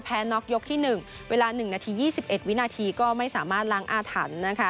น็อกยกที่๑เวลา๑นาที๒๑วินาทีก็ไม่สามารถล้างอาถรรพ์นะคะ